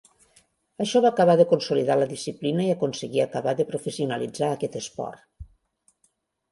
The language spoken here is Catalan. Això va acabar de consolidar la disciplina i aconseguí acabar de professionalitzar aquest esport.